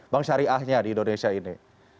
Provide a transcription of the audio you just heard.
bank syariahnya di indonesia ini